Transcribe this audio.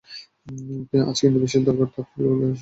আজ কিন্তু সে বিশেষ দরকারেই তালপুকুরে আসিয়াছিল।